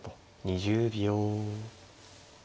２０秒。